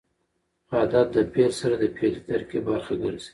عدد د فعل سره د فعلي ترکیب برخه ګرځي.